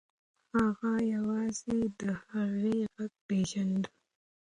هغه یوازې د هغې غږ پیژانده.